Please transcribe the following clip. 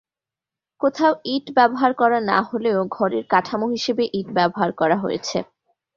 কোথাও ইট ব্যবহার করা না হলেও ঘরের কাঠামো হিসেবে ইট ব্যবহার করা হয়েছে।